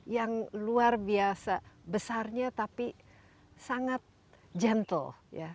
yang luar biasa besarnya tapi sangat gentle